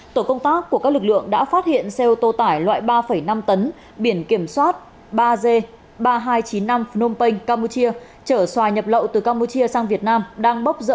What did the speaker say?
tổ công tác của các lực lượng đã phát hiện xe ô tô tải loại ba năm tấn biển kiểm soát ba g ba nghìn hai trăm chín mươi năm phnom penh campuchia